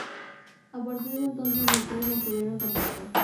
A partir de entonces los tres mantuvieron contacto.